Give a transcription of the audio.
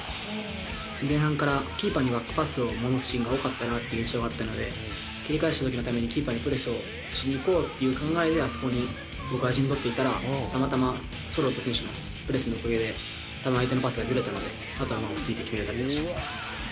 前半からキーパーにバックパスを回すシーンが多かったなという、切り替えしたときのために、キーパーにプレスをしに行こうっていう考えで、あそこに僕が陣取っていたら、たまたまセルロート選手のプレスのおかげでたぶん相手のパスがずれたので、あとは落ち着いて決めるだけでしたね。